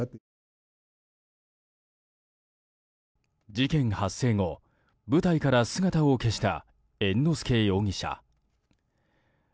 事件発生後舞台から姿を消した猿之助容疑者。